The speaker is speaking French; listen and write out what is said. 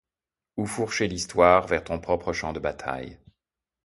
Ou fourcher l’histoire vers ton propre champ de bataille.